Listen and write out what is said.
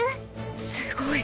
すごい。